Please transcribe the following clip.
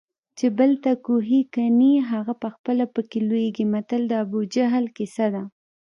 چې بل ته کوهي کني هغه پخپله پکې لویږي متل د ابوجهل کیسه ده